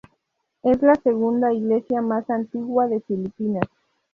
Es la segunda iglesia más antigua de Filipinas.